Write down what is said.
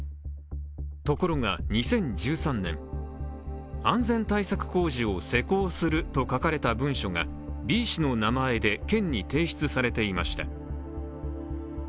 ところが２０１３年安全対策工事を施工すると書かれた文書がＢ氏の名前で県に提出されていました。